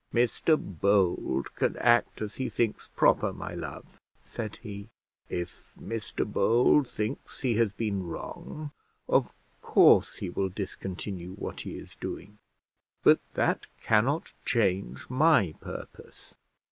"Mr Bold can act as he thinks proper, my love," said he; "if Mr Bold thinks he has been wrong, of course he will discontinue what he is doing; but that cannot change my purpose."